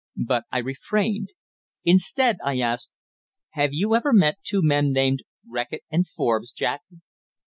But I refrained. Instead, I asked "Have you ever met two men named Reckitt and Forbes, Jack?"